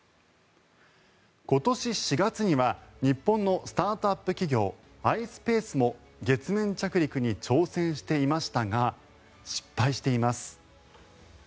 今年４月には日本のスタートアップ企業ｉｓｐａｃｅも月面着陸に挑戦していましたが失敗しています。